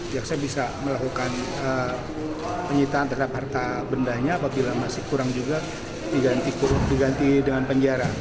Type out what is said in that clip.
jaksa bisa melakukan penyitaan terhadap harta bendanya apabila masih kurang juga diganti dengan penjara